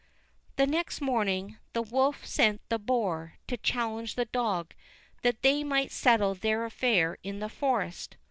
The next morning the wolf sent the boar to challenge the dog, that they might settle their affair in the forest.